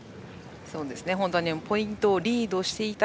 ポイントをリードしていた